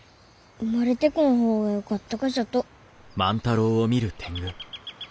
生まれてこん方がよかった？